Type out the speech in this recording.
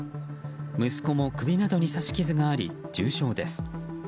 息子も首などに刺し傷があり重傷です。